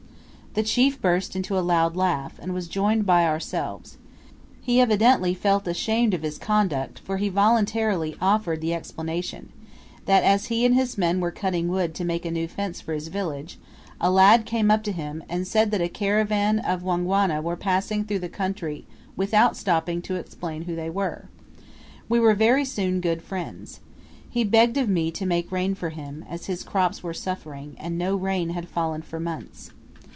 The chief burst into a loud laugh, and was joined by ourselves. He evidently felt ashamed of his conduct for he voluntarily offered the explanation, that as he and his men were cutting wood to make a new fence for his village, a lad came up to him, and said that a caravan of Wangwana were about passing through the country without stopping to explain who they were. We were soon very good friends. He begged of me to make rain for him, as his crops were suffering, and no rain had fallen for months.